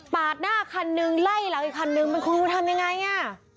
ปาดหน้าขันหนึ่งไล่เหล่าอีกขันหนึ่งมันคงจะทำยังไงไง